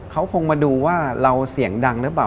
เขาคงมาดูว่าเราเสียงดังหรือเปล่า